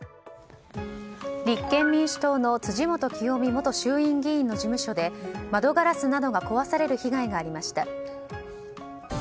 立憲民主党の辻元清美元衆院議員の事務所で窓ガラスなどが壊される被害がありました。